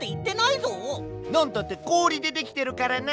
なんたってこおりでできてるからな！